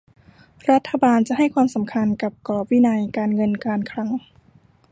รัฐบาลจะให้ความสำคัญกับกรอบวินัยการเงินการคลัง